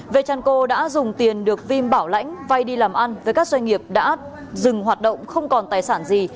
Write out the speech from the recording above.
vechanco đã dùng tiền được vinm bảo lãnh vay đi làm ăn với các doanh nghiệp đã dừng hoạt động không còn tài sản gì